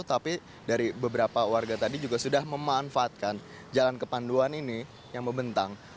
tapi dari beberapa warga tadi juga sudah memanfaatkan jalan kepanduan ini yang membentang